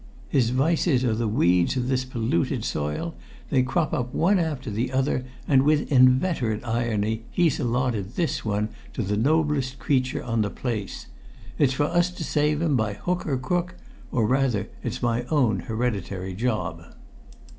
His vices are the weeds of this polluted soil; they crop up one after the other, and with inveterate irony he's allotted this one to the noblest creature on the place. It's for us to save him by hook or crook or rather it's my own hereditary job."